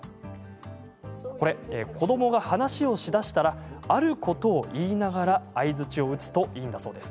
子どもが話をしだしたらあることを言いながら相づちを打つといいんだそうです。